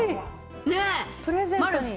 プレゼントに。